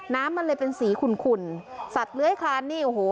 น้ำมันเลยเป็นสีขุ่นขุ่นสัตว์เลื้อยคลานนี่โอ้โห